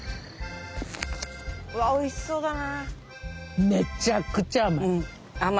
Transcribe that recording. うわっおいしそうだな。